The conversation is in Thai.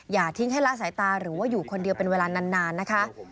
อย่าทิ้งให้ละสายตาหรือว่าอยู่คนเดียวเป็นเวลานานนะคะ